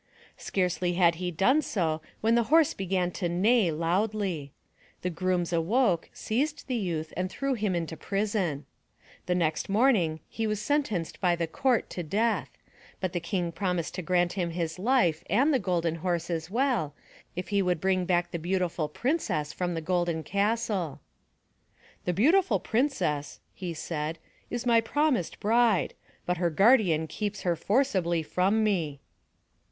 Scarcely had he done so when the horse began to neigh loudly. The grooms awoke, seized the youth and threw him into prison. The next morning he was sentenced by the court to death, but the King promised to grant him his life and the Golden Horse as well, if he would bring back the Beautiful Princess from the Golden Castle. "The Beautiful Princess," he said, "is my promised bride, but her guardian keeps her forcibly from me."